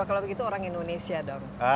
kalau begitu orang indonesia dong